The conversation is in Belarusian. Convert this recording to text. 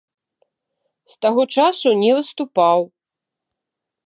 З таго часу не выступаў.